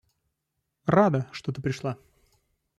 Рада, что ты пришла.